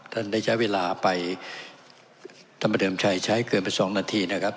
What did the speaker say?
ท่านได้ใช้เวลาไปท่านประเดิมชัยใช้เกินไปสองนาทีนะครับ